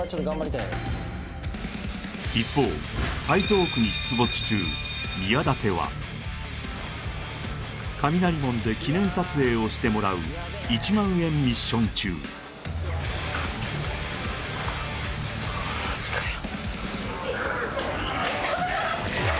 一方台東区に出没中宮舘は雷門で記念撮影をしてもらう１万円ミッション中くっそマジかよ